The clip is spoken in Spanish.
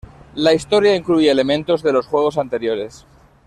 La historia incluye elementos de los juegos anteriores.